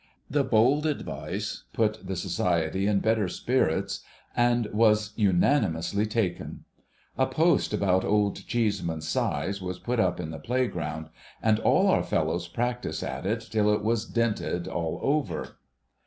The bold advice put the Society in better spirits, and was unanimously taken. A post about Old Cheeseman's size was put up in the playground, and all our fellows practised at it till it was dinted all over.